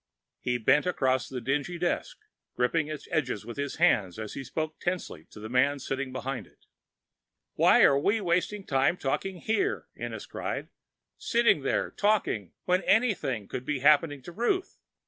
He bent across the dingy desk, gripping its edges with his hands as he spoke tensely to the man sitting behind it. "Why are we wasting time talking here?" Ennis cried. "Sitting here talking, when anything may be happening to Ruth!